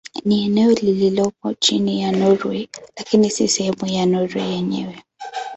Ni eneo lililopo chini ya Norwei lakini si sehemu ya Norwei yenyewe.